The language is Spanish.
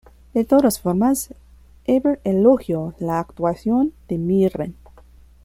De todas formas, Ebert elogió la actuación de Mirren.